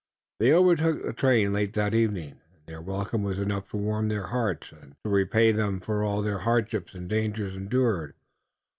They overtook the train late that evening and their welcome was enough to warm their hearts and to repay them for all the hardships and dangers endured.